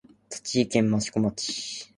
栃木県益子町